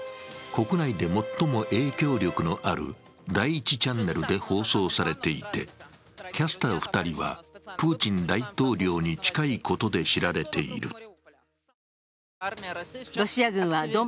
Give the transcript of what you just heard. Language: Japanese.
国内で最も影響力のある第一チャンネルで放送されていてキャスター２人はプーチン大統領に近いことで知られている。